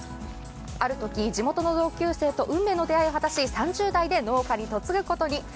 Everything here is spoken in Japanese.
あるとき地元の同級生と運命の出会いを果たし３０代で農家に嫁ぐことに。